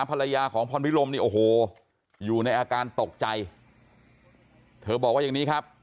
ภรรยาของพรพิรมนี่โอ้โหอยู่ในอาการตกใจเธอบอกว่าอย่างนี้ครับ